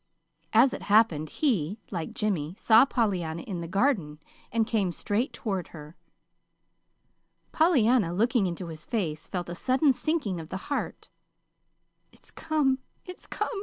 As it happened, he, like Jimmy, saw Pollyanna in the garden and came straight toward her. Pollyanna, looking into his face, felt a sudden sinking of the heart. "It's come it's come!"